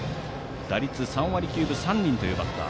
打率３割９分３厘というバッター。